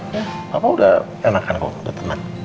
ya papa udah enakan kok udah teman